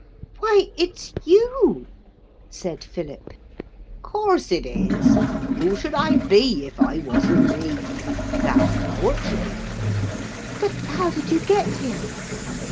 'Why, it's you!' said Philip. 'Course it is. Who should I be if I wasn't me? That's poetry.' 'But how did you get here?'